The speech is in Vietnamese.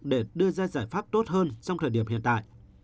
để đưa ra giải pháp tốt hơn trong thời điểm hiện tại